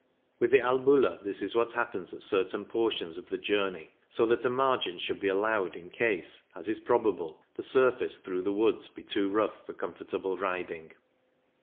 With the Albula this is what happens at certain portions of the journey, so thkt a margin should be allowed in case, as is probable, the surface through the woods be too rough for comfortable riding.